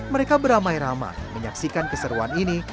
mereka beramai ramai menyaksikan keseruan ini